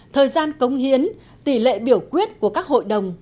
thời gian cống hiến tỷ lệ biểu quyết của các hội đồng